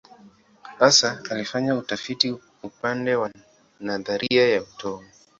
Hasa alifanya utafiti upande wa nadharia ya atomu.